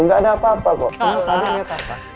tidak ada apa apa kok